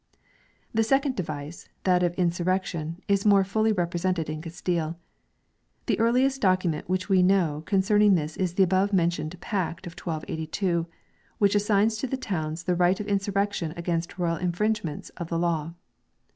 The second device, that of insurrection, is more fully represented in Castile. The earliest document which we know concerning this is the above men tioned Pact of 1282, which assigns to the towns the right of insurrection against royal infringements of the law.